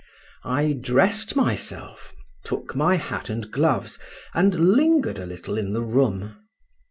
I dressed myself, took my hat and gloves, and lingered a little in the room.